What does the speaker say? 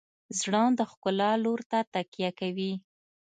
زړه د ښکلا لور ته تکیه کوي.